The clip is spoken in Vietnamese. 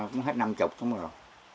cũng hết năm mươi không được rồi